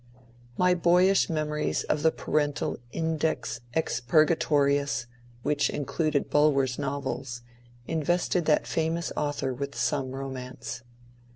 My boyish memories of the parental index eocpurgatoritiSj which included Bulwer*s novels, invested that famous author with some romance.